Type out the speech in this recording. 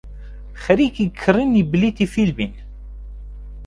خەریکی کڕینی بلیتی فیلمین.